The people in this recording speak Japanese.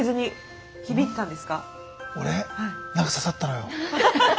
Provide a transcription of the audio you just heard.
何か刺さったのよ。